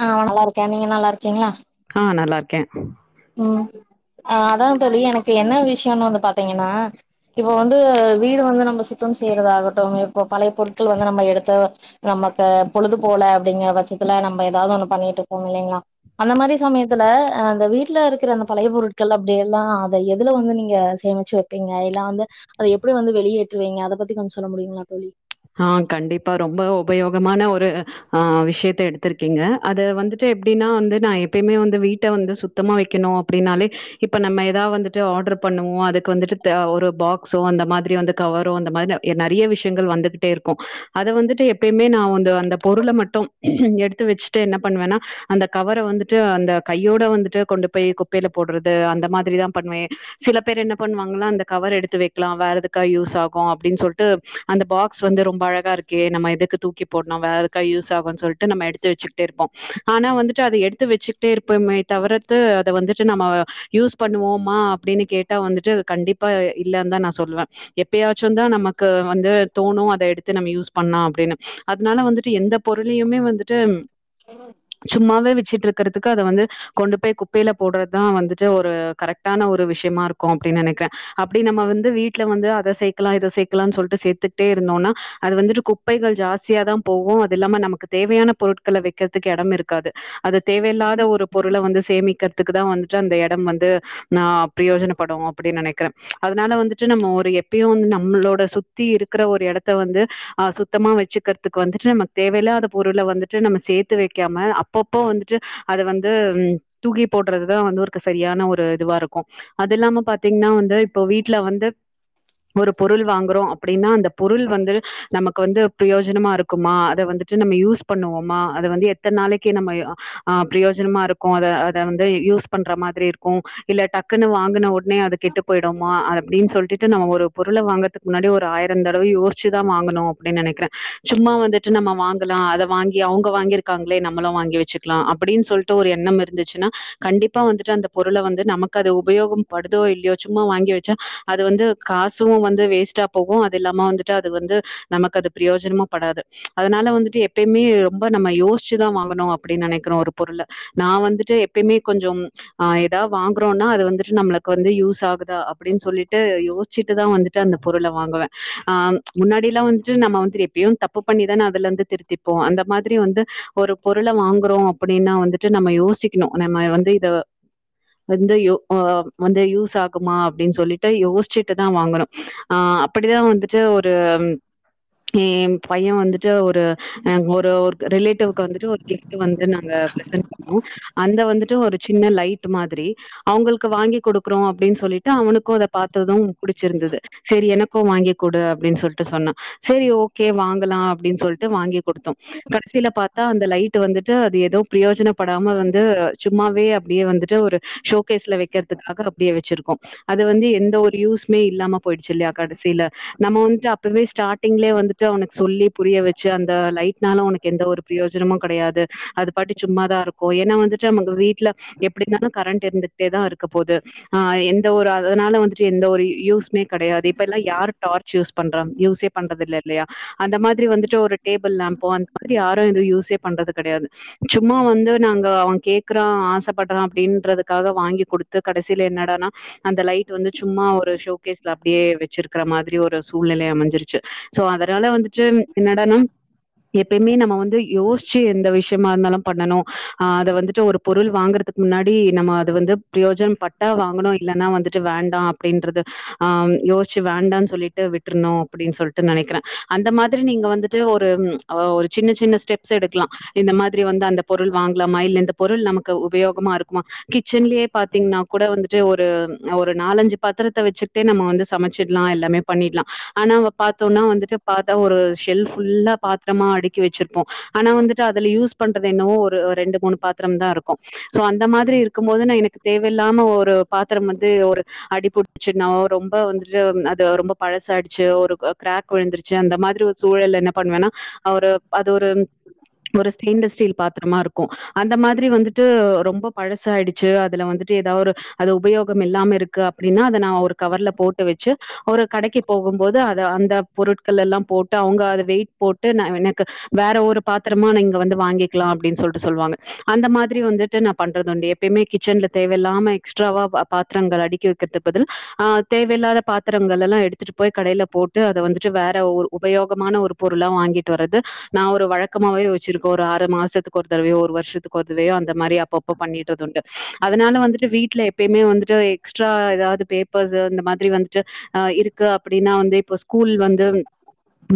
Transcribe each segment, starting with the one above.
ஆ நல்லா இருக்கே நீங்க நல்லா இருக்கீங்ளா ஆ நல்லா இருக்கே ம் அ அதா தோழி எனக்கு என்ன விஷ்யனு வந்து பாத்தீங்கன்னா இப்போ வந்து வீட வந்து நம்ம சுத்தம் செய்யிறது ஆகட்டும் இப்ப பழைய பொருட்கள் வந்து நம்ம எடுத்து நமக்கு பொழுது போல அப்டிங்குற பட்சத்துல நம்ம எதாவது ஒண்ணு பண்ணிட்டு இருப்போ இல்லைங்களா அந்த மாரி சமயத்துல அந்த வீ ட்ல இருக்கிற அந்த பழைய பொருட்கள் அப்டியல்லா அத எதுல வந்து நீங்க சேமிச்சு வப்பீங்க எல்லா வந்து அத எப்டி வந்து வெளியேற்றுவீங்க அத பத்தி கொஞ்ச சொல்ல முடியுங்களா தோழி ஆ கண்டிப்பா ரொம்ப உபயோகமான ஒரு ஆ விஷயத்த எடுத்திருக்கீங்க அத வந்துட்டு எப்டின்னா வந்து நா எப்பயுமே வந்து வீட்ட வந்து சுத் த்தமா வைக்கணு அப்டின்னாலே இப்ப நம்ம எதா வந்துட்டு ஆர்டர் பண்ணுவோ அதுக்கு வந்துட்டு ஒரு பாக்ஸோ அந்த மாதிரி வந்து கவரோ அந்த மாரி நெறைய விஷயங்கள் வந்துகிட்டே இருக்கு அத வந்துட்டு எப்பயுமே நா வந்து அந்த பொருள மட்டும் எடுத்து வச்சுட்டு என்ன பண்ணுவேன்னா அந்த கவர வந்துட்டு அந்த கையோட வந்துட்டு கோண்டு போய் குப்பைல போடுறது அந்த மாதிரிதா பண்ணுவே சில பேர் என்ன பண்ணுவாங்களா அந்த கவர் எடுத்து வைக்லா வேற எதுக்கா யூஸ் ஆகு அப்டின்னு சொல்ட்டு அந்த பாக் ஸ் வந்து ரொம்ப அழகா இருக்கே நம்ப எதுக்கு தூக்கி போட்ணு வேற எதுக்கா யூஸ் ஆகுனு சொல்ட்டு நம்ம எடுத்து வச்சு ட்டிருப்போ ஆனா வந்துட்டு அத எடுத்து வச்சுக்கிட்டே இருப்போமே தவிர்த்து அத வந்துட்டு நம்ம யூஸ் பண்ணுவோமா அப்டின்னு கேட்டா வந்துட்டு கண்டிப்பா இல்லனுதா நா சொல்லுவே எப்பயாச்சு தா நமக்கு வந்து தோணு அத எடுத்து நம்ம யூஸ் பண்லா அப்டின்னு அதனால வந்துட்டு எந்த பொருளையுமே வந்துட்டு ம் சும்மாவே வச்சுட்டு இருக்குறதுக்கு அத வந்து கொண்டு போய் குப்பையில போடுறதுதா வந்துட்டு ஒரு கரெக்டான ஒரு விஷ்யமா இருக்கு அப்டின்னு நெனைக்றே அப்டி நம்ம வந்து வீட்டுல வந்து அத சேக்கலா இத சேக்கலான் சொல்ட்டு சேத்துட்டே இருந்தோம்னா அது வந்துட்டு குப்பைகள் ஜாஸ்தியாதா போவோ அது இல்லாம நமக்கு தேவையான பொருட்கள வக்கிறதுக்கு எடம் இருக்காது அது தேவையில்லாத ஒரு பொருள வந்து சேமிக்கிறதுக்கு தா வந்துட்டு அந்த எடம் வந்து நா பிரயோஜனப்படு அப்டின்னு நெனக்கிறே அதனால வந்துட்டு நம்ம ஒரு எப்பயு வந்து நம்மளோட சுத்தி இருக் குற ஒரு எடத்த வந்து ஆ சுத்தமா வச்சுக்கிறதுக்கு வந்துட்டு நமக்கு தேவையில்லாத பொருள வந்துட்டு நம்ம சேத்து வக்காம அப்பப்போ வந்துட்டு அத வந்து தூக்கி போடுறதுதா வந்து ஒருக்கு சரியான ஒரு இதுவா இருக்கு அது இல்லாம பாத்தீங்ன்னா வந்து இப்போ வீட்டுல வந்து ஒரு பொருள் வாங்குறோ அப் டின்னா அந்த பொருள் வந்து நமக்கு வந்து பிரயோஜனமா இருக்குமா அத வந்துட்டு நம்ம யூஸ் பண்ணுவோமா அத வந்து எத்தன நாளைக்கி நம்ம ஆ பிரயோஜனமா இருக்கு அத அத வந்து யூஸ் பண்ற மாதிரி இருக்கு இல்ல டக்குன்னு வாங்குன ஒட னே அது கெட்டு போயிடுமா அப்டின்னு சொல்ட்டு நம்ம ஒரு பொருள வாங்குறதுக்கு முன்னாடி ஒரு ஒரு ஆயிரம் தடவ யோச்சிதா வாங்கணு அப்டின்னு நெனக்கிறே சும்மா வந்துட்டு நம்ம வாங்கலா அத வாங்கி அவுங்க வாங்கியிரு க்காங்களே நம்மளு வாங்கி வச்சுக்கலா அப்டின்னு சொல்ட்டு ஒரு எண்ணம் இருந்துச்சுன்னா கண்டிப்பா வந்துட்டு அந்த பொருள வந்து நமக்கு அது உபயோகம் படுதோ இல்லையோ சும்மா வாங்கி வச்சா அது வந்து காசு வந்து வேஸ்டா போகு அது இல்லாம வந்துட்டு அது வந்து நமக்கு அது பிரயோஜனமா படாது அதனால வந்துட்டு எப்பயுமே ரொம்ப நம்ம யோசிச்சுதா வாங்கணு அப்டின்னு நெனைக்கிறோ ஒரு பொருளை நா வந்துட்டு எப்பயுமே கொஞ்சோ ஆஹ் ஏதாவது வாங்குறோம்னா அது வந்துட்டு நம்மளுக்கு வந்து யூஸ் ஆகுதா அப்டின்னு சொல்லிட்டு யோசிச்சுட்டுதா வந்துட்டு அந்த பொருள வாங்குவே ஆஹ் முன்னாடியெல்லா வந்துட்டு நம்ம வந்துட்டு எப்பயு தப்பு பண்ணிதான அதுல வந்து திருத்தி ப்ப அந்த மாரி வந்து ஒரு பொருளை வாங்குறோ அப்டின்னா வந்துட்டு நம்ம யோசிக்கணு நம்ம வந்து இத வந்து யோ ஆஹ் வந்து யூஸ் ஆகுமா அப்டின்னு சொல்லிட்டு யோசிச்சுட்டுதா வாங்குறோ ஆஹ் அப்டிதா வந்துட்டு ஒரு என் என் பையன் வந்துட்டு ஒரு ஒரு ஒரு ரிலேட்டிவ்க்கு வந்துட்டு ஒரு கிஃப்ட்ட வந்து நாங்க பிரசன்ட் பண்ணோ அந்த வந்துட்டு ஒரு சின்ன லைட் மாரி அவங்களுக்கு வாங்கி கொடுக்குறோ அப்டின்னு சொல்லிட்டு அவனுக்கு அத பாத்தது புடிச்சிருந்தது சேரி எனக்கு வாங்கிகுடு அப்ப டின்னு சொல்லிட்டு சொன்னா சேரி ஓகே வாங்கலா அப்டின்னு சொல்லிட்டு வாங்கி கொடுத்தோ கடசியில பாத்தா அந்த லைட் வந்துட்டு அது ஏதோ பிரயோஜன படாம வந்து சும்மாவே அப்டியே வந்துட்டு ஒரு ஷோகேஸ்ல வைக்கிறதுக்காக அப்டியே வந்துட்டு ஓரு ஷோகேஸ்லா வச்சிருக்க அது வந்து எந்த ஒரு யூஸ்மே இல்லாம போயிடுச்சு இல்லையா கடசியில நம்ம வந்துட்டு அப்பவே ஸ்டார்டிங்ளே வந்துட்டு அவனுக்கு சொல்லி புரிய வச்சு அந்த லைட் இதனால உனக்கு எந்த ஒரு பிரயோஜனமு கெடையாது அது பாட்டு சும்மாதா இருக்கு ஏன்னா வந்துட்டு நமங்க வீட்ல எப்டினாலு கரண்ட் இருந்துட்டே தா இருக்க போகுது ஆஹ் எந்த ஒரு அதனால வந்துட்டு எந்த ஒரு யூஸ் கடையாது இப்ப எல்லாம் யாரு டார்ச் யூஸ் பண்ற யூஸே பண்றது இல்லயா அந்த மாரி வந்துட்டு ஒரு டேபிள் லேம்போ அந்த மாரி யாரு அத யூஸே பண்றது கிடையாது சும்மா வந்து நாங்க அவன் கேக்குறா ஆசைப்படுறா அப்படின்றதுக்காக வாங்கி கொடுத்து கடைசியில என்னடானா அந்த லைட் வந்து சும்மா ஒரு ஷோகேஸ்ல அப்டியே வச்சிருக்கிற மாரி ஒரு சூழ்நிலை அமைஞ்சிருச்சு சோ அதனால வந்துட்டு என்னாடானா எப்பயுமே நம்ம வந்து யோசிச்சு எந்த விஷயமா இருந்தாலு பண்ணணு ஆஹ் அதை வந்துட்டு ஒரு பொருள் வாங்கறதுக்கு முன்னாடி நம்ம அத வந்து பிரயோஜன‌ பட்டா வாங்கணு இல்ன்னா வந்துட்டு வேண்டா அப்டின்றது ஆஹ் யோசிச்சு வேண்டாம்னு சொல்லிட்டு விட்டுருனு அப்டின்னு சொல்லிட்டு நினைக்கிறே அந்த மாரி நீங்க வந்துட்டு ஒரு ஒரு சின்ன சின்ன ஸ்டெப்ஸ் எடுக்கலா இந்த மாரி வந்து அந்த பொருள் வாங்கலா மயில் இந்த பொருள் நமக்கு உபயோகமா இருக்குமா கிச்சன்லயே பாத்தீங்கன்னா கூட வந்துட்டு ஒரு ஒரு நாலஞ்சு பத்திரத்தை வச்சு நம்ம வந்து சமைச்சிடலா எல்லாமே பண்ணிடலா ஆனா அங்க பாத்தோம்னா வந்துட்டு பாத்தா ஒரு செல்ப் ஃபுல்லா பாத்திரமா அடுக்கி வச்சிருப்போ ஆனா வந்துட்டு அதுல யூஸ் பண்றது என்னவோ ஒரு ரெண்டு மூணு பாத்திர தா இருக்கு சோ அந்த மாரி இருக்கு போது நா எனக்கு தேவல்லாம ஒரு பாத்திர வந்து ஒரு அடிபிடிச்சன ரொம்ப வந்துட்டு அது ரொம்ப பழசு ஆயிடுச்சு ஒரு கிராக் விழுந்துருச்சு அந்த மாரி ஒரு சூழல்ல என்ன பண்ணுவேன்னா அவரு அது ஒரு ஒரு ஸ்டெயின்லெஸ் ஸ்டீல் பாத்திரமா இருக்கு அந்த மாரி வந்துட்டு ரொம்ப பழச ஆயிடுச்சு அதுல வந்துட்டு ஏதாவ ஒரு அது உபயோக இல்லாம இருக்கு அப்டின்னா அத நா ஒரு கவர்ல போட்டு வச்சு ஒரு கடைக்கு போகுபோது அத அந்த பொருட்கள் போட்டு அவங்க அதை வெயிட் போட்டு ந எனக்கு வேற ஒரு பாத்திரமா நீங்க வந்து வாங்கிக்கலா அப்டின்னு சொல்லிட்டு சொல்லுவாங்க அந்த மாரி வந்துட்டு நா பண்றது உண்டு எப்யுமே கிச்சன்ல தேவையில்லாம எக்ஸ்ட்ராவா பாத்திரங்கள் அடிக்க கிட்ட பதிழ் ஆ தேவையில்லாத பாத்திரங்கள் எல்லா எடுத்துட்டு போய் கடையில போட்டு அத வந்துட்டு வேற உபயோகமான ஒரு பொருளா வாங்கிட்டு வரது நா ஒரு வழக்கமாவவே வச்சிருக்கோ ஒரு ஆறு மாசத்துக்கு ஒரு தடவையோ ஒரு வருஷத்துக்கு ஒரு தவையோ அந்த மாரி அப்ப அப்போ அப்ப பண்ணிட்டது உண்டு அதனால வந்துட்டு வீட்டுல எப்பமே வந்துட்டு எக்ஸ்ட்ரா ஏதாவது பே பிக் பஜார் இந்த மாரி வந்துட்டு ஆ இருக்கு அப்பிடின்னா வந்து இப்ப ஸ்கூல் வந்து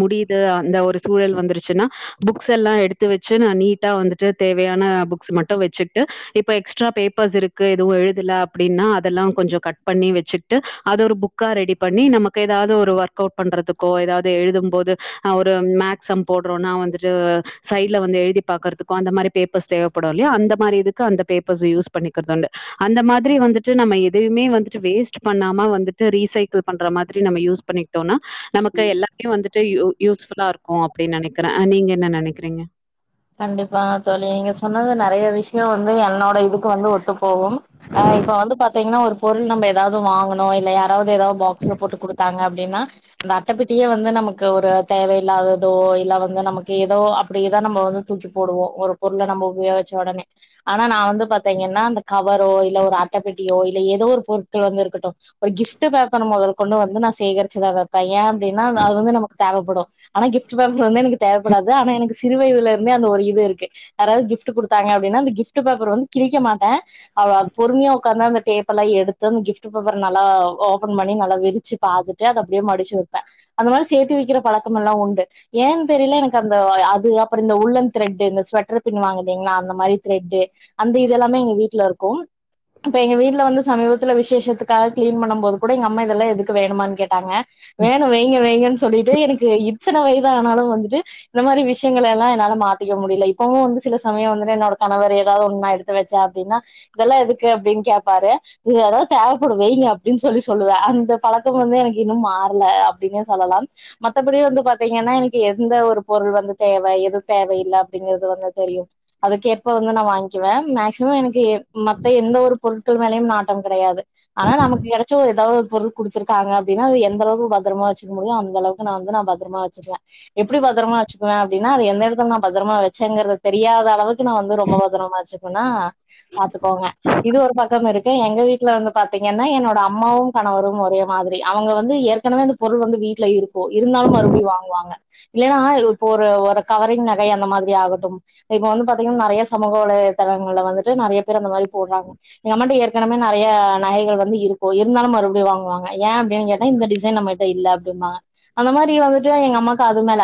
முடியுது அந்த ஒரு சூழல் வந்துருச்சின்னா புக்ஸ் எல்லா எடுத்து வச்சி நா நீட்டா வந்துட்டு தேவையான புக்ஸ் மட்டு வச்சுக்ட்டு இப்ப எக்ஸ்ட்ரா பேப்பர்ஸ் இருக்கு எதுவு எழுதல அப்டின்னா அதல்லா கொஞ்சொ கட் பண்ணி வச்சி ட்டு அத ஒரு புக்கா ரெடி பண்ணி நமக்கு ஏதாவ்து ஒரு ஒர்க் அவுட் பண்றதுக்கோ ஏதாவ்து எழுதம் போது அ ஒரு மேக் சம் போட்றோன்னா வந்துட்டு சைட்ல வந்து எழுதி பாக்குறதுக்கோ அந்த மாரி பேப்பர்ஸ் தேவப்படு இல்லையா அந்த மாரி இதுக்கு அந்த பேப்பர்ஸ் யூஸ் பண்ணிக்கற்து உண்டு அந்த மாதிரி வந்துட்டு நம்ம எதையுமே வந்துட்டு வேஸ்ட் பண்ணாம வந்துட்டு ரீசைக்கிள் பண்ற மாதிரி நம்ம யூஸ் பண்ணிக்கிட்டோன்னா நமக்கு எல்லா தியு வந்துட்டு யூஸ்ஃபுல்லா இருக்கு அப்டின் நெனக்கிறே ஆ நீங்க என்ன நெனக்கிறீங்க கண்டிப்பாக தோழி நீங்க சொன்னது நறைய விஷியொ வந்து என்னோட இதுக்கு வந்து ஒத்து போகும் ஆ இப்ப வந்து பாத்தீங்கன்னா ஒரு பொருள் நம்ப ஏதாவ்து வாங்கணு இல்லை யா ராவ்து ஏதாவ்து பாக்ஸ்ல போட்டு குடுத்தாங்க அப்டின்னா அந்த அட்டப்பெட்டியே வந்து நமக்கு ஒரு தேவ இலாததோ இல்ல வந்து நமக்கு ஏதோ அப்டியேதா நம்ம வந்து தூக்கிப் போடுவோ ஒரு பொருள நம்ப உபயோச்ச ஒடனே ஆனா நா வந்து பாத்தீங்கென்னா அந்த கவரோ இல்ல ஒரு அட்டப்பெட்டியோ இல்ல ஏதோ ஒரு பொருட்கள் வந்து இருக்கட்டு ஒரு கிஃப்ட்டு பேப்பர மொதற் கொண்டு வந்து நா சேகரிச்சிதா வைப்பே ஏ அப்டின்ன அது வந்து நமக்கு தேவப்படு ஆனா கிஃப்ட் பேப்ரு வந்து எனக்கு தேவப்படாது ஆனா எனக்கு சிறு வயதுல இந்தே அந்த ஒரு இது இருக்கு யாராவ்து கிஃப்ட்டு குடுத்தாங்க அப்டின்னா அந்த கிஃப்ட்டு பேப்பர வந்து கிழிக்க மாட்ட அவ அது பொறுமையா ஒக்காந்து அந்த டேப் எல்லா எடுத்து அந்த கிஃப்ட் பேப்பர் நல்லா ஓப்பன் பண்ணி நல்லா விரிச்சி பாத்துட்டு அத அப்டியே மடிச்சி வப்ப அந்த மாரி சேத்தி வெக்கிற பழக்கமல்லா உண்டு ஏன் தெரியில எனக்கு அந்த அது அப்ப இந்த உள்ளன் த்ரெட்டு இந்த ஸ்வெட்டர் பின் வாங்குலீங்ளா அந்த மாரி த்ரெட்டு அந்த இதெல்லாமே எங்க வீட்ல இருக்கு இப்ப எங்க வீட்ல வந்து சமீபத்துல விசேஷத்துக்காக க்ளீன் பண்ணம்போது கூட எங்க அம்மா இதெல்லா எதுக்கு வேணுமான் கேட்டாங்க வேணு வைங்க வைங்கன் சொல்லிட்டு எனக்கு இத்தன வயதானாலு வந்துட்டு இந்த மாரி விஷயங்கள எல்லா என்னால மாத்திக்க முடியில இப்பவு வந்து சில சமயொ வந்துட்டு என்னோட கணவர் ஏதாவ்து ஒண்ணு நா எடுத்து வெச்ச அப்டினா இதெல்லா எதுக்கு அப்டின் கேப்பாரு இது எதா தேவைப்படு வெய்ங்க அப்டின் சொல்லி சொல்லுவ அந்த பழக்கொ வந்து எனக்கு இன்னும் மாற்ல அப்டின்னே சொல்லலாம் மத்தபடி வந்து பாத்தீங்கன்னா எனக்கு எந்த ஒரு பொருள் வந்துட்டு வை எது தேவயில்ல அப்டிங்கிறது வந்து தெரியு அதுக்கேப்ப நா வாய்ங்க்கிவே மேக்சிமொ எனக்கு மத்த எந்த ஒரு பொருட்கள் மேலயும் நாட்டம் கடையாது ஆனா நமக்கு கெடச்ச ஒ ஏதாவ் ஒரு பொருள் குடுத்ருக்காங்க அப்டினா அது எந்தளவுக்கு பத்ரமா வச்சுக்க முடியுமோ அந்தளவு நா வந்து நா பத்ரமா வச்சிக்குவ எப்டி பத்ரமா வச்சுக்குவ அப்டினா அது எந்த எடத் நா பத்ரமா வச்சேங்குறது தெரியாதளவுக்கு நா வந்து ரொம்ப பத்தரமா வச்சுக்கோனா பாத்துக்கோங்க இது ஒரு பக்கம் இருக்கு எங்க வீட்ல வந்து பாத்தீங்கன்னா என்னோட அம்மாவும் கணவரும் ஒரே மாதிரி அவங்க வந்து ஏற்கனவே பொருள் வந்து வீட்ல இருக்கு இருந்தாலு மறுபடியு வாங்குவாங்க இல்லேனா இப்போ ஒரு ஒரு கவரிங் ந கை அந்த மாதிரி ஆகட்டும் இப்போ வந்து பாத்தீங்கன்னா நறைய சமூக வலைதளங்கள்ல வந்துட்டு நறைய பேர் அந்த மாரி போட்றாங்க எங்க அம்மாட்ட ஏற்கனவே நறைய நகைகள் வந்து இருக்கு இருந்தாலும் மறுப்டியு வாங்குவாங்க ஏ அப்டின் கேட்டா இந்த டிசைன் நம்ம ட்ட இல்ல அப்பிடிம்பாங்க அந்த மாரி வந்துட்டு எங்க அம்மாக்கு அது மேல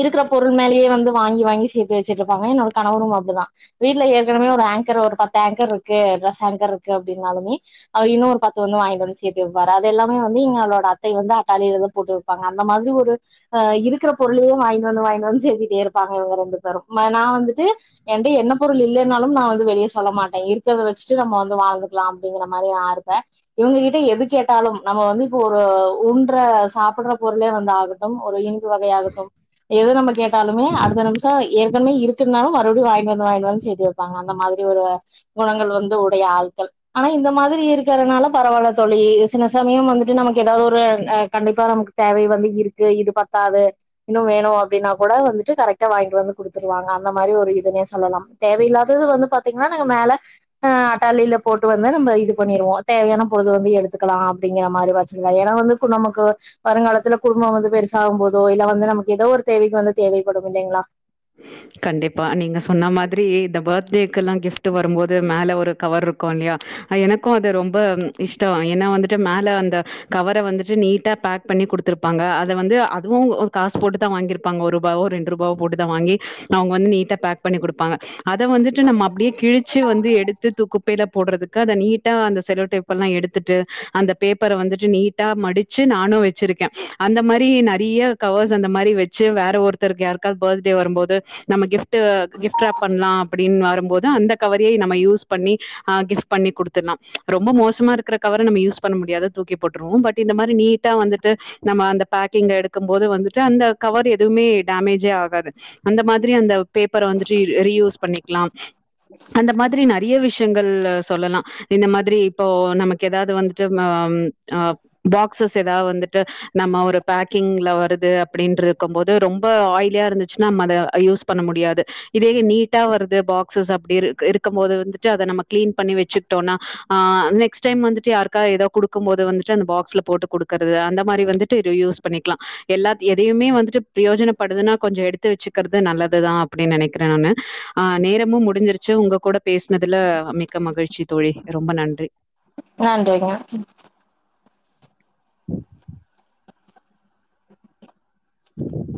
இருக்குற பொருள் மேலயே வந்து வாங்கி வாங்கி சேத்து வச்சிட்ருப்பாங்க என்னோட கணவரு அப்டிதா வீட்ல ஏற்கனவே ஒரு ஆங்க்கர் ஒரு பத்து ஆங்க்கர் இருக்கு ட்ரஸ் ஆங்க்கர் இருக்கு அப்டின்னாலுமே அவர் இன்னு ஒரு பத்து வந்து வாய்ன்ட்டு வந்து சேத்தி வெப்பாரு அது எல்லாமே வந்து இவுங்களோட அத்தை வந்து அட்டாலிலதா போட்டு வப் பாங்க அந்த மாதிரி ஒரு ஆ இருக்குற பொருளயே வாய்ன்ட்டு வந்து வாய்னு வந்து சேத்திட்டே இரு ப்பாங்க இவுங்க ரெண்டு பேரு மா நா வந்துட்டு ஏன்ட்ட என்ன பொருள் இல்லேன்னாலு நா வந்து வெளியே சொல்ல மாட்டே இருக்கறத வச்சுட்டு நம்ம வந்து வாழ்ந்துக்கலா அப்டிங்குற மாரி நா இருப்பே இவுங்க கிட்ட எது கேட்டாலு நம்ம வந்து இப்போ ஒரு ஊன்ற சாப்ட்ற பொருளே வந்து ஆகட்டு ஒரு து வகையாகட்டும் எது நம்ம கேட்டாலுமே அடுத்த நிமிஷோ ஏ இதுமே இருக்னாலு மறுபடி வாங்கிண்டு வந்து வாங்கிண்டு வந்து சேத்து வெப்பாங்க அந்த மாரி ஒரு குணங்கள் வந்து உடைய ஆள்கள் ஆனா இந்த மாதிரி இருக்கறனால பரவால்ல தோழி சில சமயம் வந்துட்டு நமக்கு ஏதாவ்து ஒரு அ கண்டிப்பா நமக்கு தேவை வந்து இருக்கு இது பத்தாது இன்னு வேணு அப்டின்னா கூட வந்துட்டு கரெக் ட்டா வாங்கிட்டு வந்து குடுத்துருவாங்க அந்த மாரி ஒரு இதுனே சொல்லலா தேவையில்லாதது வந்து பாத்தீங்கன்னா நாங்க மேல ஆ டாலியில போட்டு வந்து நம்ம இது பண்ணிருவோ தேவையான பொழுது வந்து எடுத்துக்கலா அப்டிங்கிற மாரி வச்சுலா ஏன்னா வந்து நமக்கு வருங்காலத்துல குடும்போ வந்து பெருசாகும் போதோ இல்ல வந்து நமக்கு ஏதோ ஒரு தேவைக்கு வந்து தேவைப்படு இல்லீங்களா கண்டிப்பா நீங்க சொன்ன மாதிரி இந்த பர்த்டேக்குல்லா கிஃப்ட்வரும் போது மேல ஒரு கவர் க்கு இல்லயா எனக்கும் அது ரொம்ப இஷ்டோ ஏன்னா வந்துட்டு மேல அந்த கவர வந்துட்டு நீட்டா பேக் பண்ணி குடுத்துருப்பாங்க அத வந்து அதுவு ஒரு காசு போட்டு தா வாங்கிரு ப்பாங்க ஒரு ரூபாவோ ரெண்டு ரூபாவோ போட்டுதா வாங்கி அவுங்க வந்து நீட்டா பேக் பண்ணி குடுப்பாங்க அத வந்துட்டு நம்ம அப்டியே கிழிச்சு வந்து எடுத்து தூக்க பீட்ல போடுறதுக்கு நீட்டா அந்த செல்லோ டேப்பெல்லா எடுத்துட்டு அந்த பேப்பர‌ வந்துட்டு நீட் ட்டா மடுச்சு நானு வச்சிருக்கே அந்த மாரி நெறைய கவர்ஸ் அந்த மாரி வச்சு வேற ஒருத்தருக்கு யாருக்காவ்து பெர்த்டே வரும்போது நம்மகிப்ட் கிப்டா ராப் பண்ணலா அப்டின்னு வரும்போது தா அந்த கவரையெ நம்ம யூஸ் பண்ணி ஆ கிப்ட் பண்ணி குடுத்துர்லா ரொம்ப மோசமா இருக்குற கவர நம்ம யூஸ் பண்ண முடியாத தூக்கி போட்டுருவோ பட் இந்த மாரி நீ்ட் ட்டா வந்துட்டு நம்ம அந்த பேக்கிங் எடுக்கும்போது வந்துட்டு அந்த கவர் எதுவுமே டேமேஜே ஆகா து அந்த மாரி அந்த பேப்பர வந்துட்டு ரீயூஸ் பண்ணிக்கலா அந்த மாரி நெறைய விஷயங்கள் சொல்லலா இந்த மாத்ரி இப்போ நமக்கு ஏதாவ்து வந்துட்டு ஆ பாக்சஸ் ஏதாவ்து வந்துட்டு நம்ம ஒரு பேக்கிங்ல வருது அப்டின்டு இருக்கும் போது ரொம்ப ஆய்லியா இருந் துச்சுன்னா மள யூஸ் பண்ண முடியாது இதையே நீட்டா வருது பாக்சஸ் அப்டி இருக்கும் போது வந்துட்டு அத நம்ப க்ளீன் பண்ணி வச்சுட்டோன்னா ஆ நெக்ஸ் டைம் வந்துட்டு யாருகாவ்து எதாவ்து குடுக்கும் போது வந்துட்டு அந்த பாக்ஸ்ல போட்டு குடுக்குறது அந்த மாரி வந்துட்டு ரீயூஸ் பண்ணிக்கலா எல்லா எதையுமே வந்துட்டு பிரயோஜனப்படுதுன்னா கொஞ்சோ எடுத் த்து வச்சுக்ர்றது நல்லதுதா அப்டின்னு நெனக்கிறே நானு நேரமும் முடிஞ்சிருச்சு உங்க கூட பேசினதுல அமி க்க மகிழ்ச்சி தோழி ரொம்ப நன்றி நன்றிங்க ம்